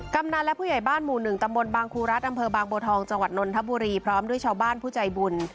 กำนันและผู้ใหญ่บ้านหมู่๑ตำบลบางครูรัฐอำเภอบางบัวทองจังหวัดนนทบุรีพร้อมด้วยชาวบ้านผู้ใจบุญ